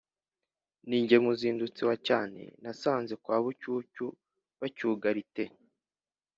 Ni jye muzindutsi wa cyane nasanze kwa Bucyucyu bacyugarite